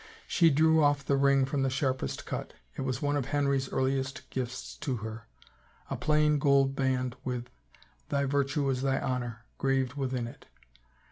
She drew off the ring from the sharpest cut. It was one of Henry's earliest gifts to her, a plain gold band with, " Thy virtue is thy honor," graved within it.